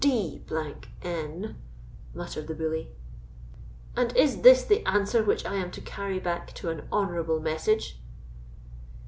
"D——n!" muttered the bully; "and is this the answer which I am to carry back to an honourable message?"